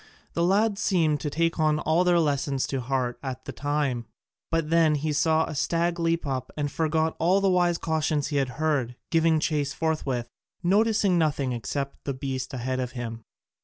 The lad seemed to take all their lessons to heart at the time: but then he saw a stag leap up, and forgot all the wise cautions he had heard, giving chase forthwith, noticing nothing except the beast ahead of him.